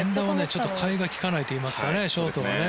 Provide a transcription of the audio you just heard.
ちょっと代えが利かないといいますかねショートのね